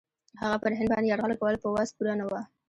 هغه پر هند باندي یرغل کول په وس پوره نه وه.